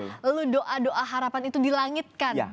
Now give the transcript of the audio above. lalu doa doa harapan itu dilangitkan